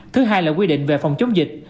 thứ hai là quy định về phòng chống dịch